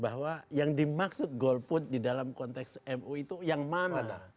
bahwa yang dimaksud golput di dalam konteks mu itu yang mana